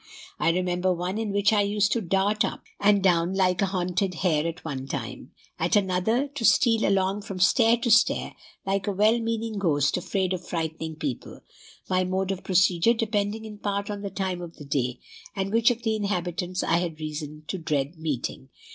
I remember one in which I used to dart up and down like a hunted hare at one time; at another to steal along from stair to stair like a well meaning ghost afraid of frightening people; my mode of procedure depending in part on the time of day, and which of the inhabitants I had reason to dread meeting.